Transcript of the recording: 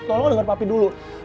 tolong denger papi dulu